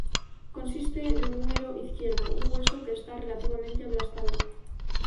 Consiste de un húmero izquierdo, un hueso que está relativamente aplastado.